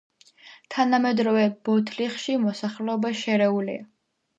თანამედროვე ბოთლიხში მოსახლეობა შერეულია.